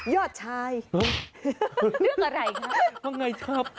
ยอดชาย